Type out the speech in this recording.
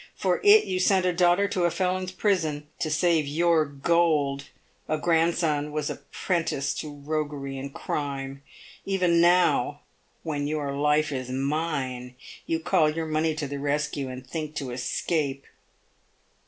For it you sent a daughter to a felon's prison ; to save your gold, a grandson was apprenticed to roguery and crime. Even now, when your life is mine, you call your money to the rescue, and think to escape."